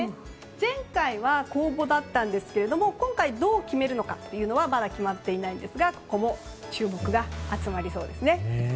前回は公募だったんですけれども今回、どう決めるかはまだ決まっていないんですがここも注目されそうですね。